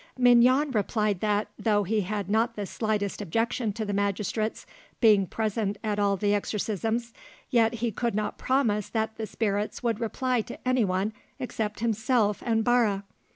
Mignon replied that, though he had not the slightest objection to the magistrates being present at all the exorcisms, yet he could not promise that the spirits would reply to anyone except himself and Barre.